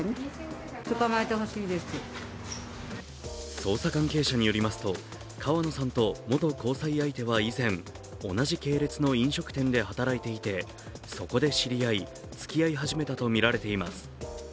捜査関係者によりますと、川野さんと元交際相手は以前、同じ系列の飲食店で働いていて、そこで知り合い、つきあい始めたとみられています。